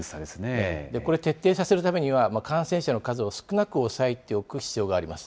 これを徹底させるためには、感染者の数を少なく抑えておく必要があります。